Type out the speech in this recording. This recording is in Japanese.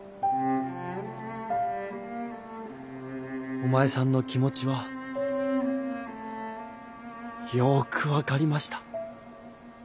お前さんの気持ちはよく分かりました。